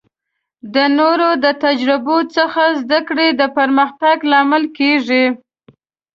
د نورو د تجربو څخه زده کړه د پرمختګ لامل کیږي.